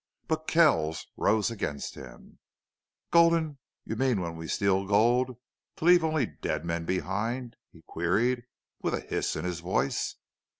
But Kells rose against him. "Gulden, you mean when we steal gold to leave only dead men behind?" he queried, with a hiss in his voice.